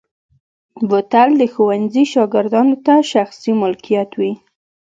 بوتل د ښوونځي شاګردانو ته شخصي ملکیت وي.